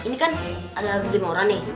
ini kan ada lima orang nih